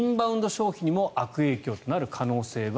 消費にも悪影響となる可能性は